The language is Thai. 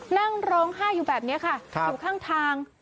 นั่งร้องไห้อยู่แบบนี้ค่ะอยู่ข้างทาง